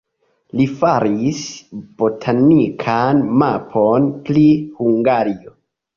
Li faris botanikan mapon pri Hungario.